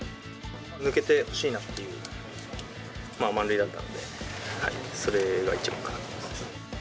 抜けてほしいなっていう、まあ満塁だったんで、それが一番かなと思います。